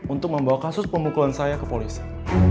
untuk membawa kasus pemukulan saya ke polisi